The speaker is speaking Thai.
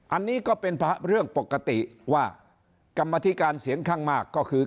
อันนี้ก็เป็นเรื่องปกติว่ากรรมธิการเสียงข้างมากก็คือ